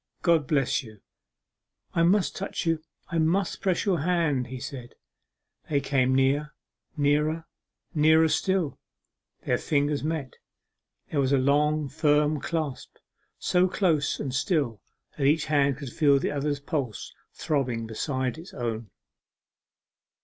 God bless you!' 'I must touch you, I must press your hand,' he said. They came near nearer nearer still their fingers met. There was a long firm clasp, so close and still that each hand could feel the other's pulse throbbing beside its own.